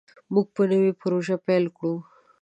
موږ به نوې پروژه پیل کړو.